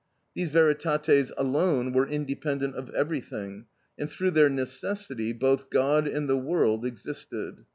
These veritates alone were independent of everything, and through their necessity both God and the world existed.